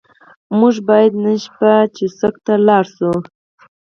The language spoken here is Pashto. موږ باید نن شپه چیسوک ته لاړ شو.